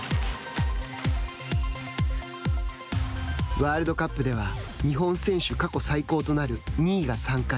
ワールドカップでは日本選手過去最高となる２位が３回。